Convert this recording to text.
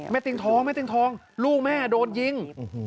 แม่เตียงทองลูกแม่โดนยิง